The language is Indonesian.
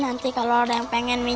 nanti kalau ada yang pengen bisa ikut